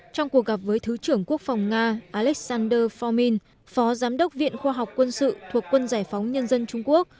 trong cuộc gặp với thứ trưởng quốc phòng nga alexander formin phó giám đốc viện khoa học quân sự thuộc quân giải phóng nhân dân trung quốc